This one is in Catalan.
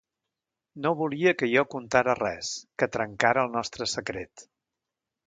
No volia que jo contara res, que trencara el nostre secret.